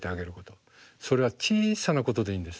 それは小さなことでいいんです。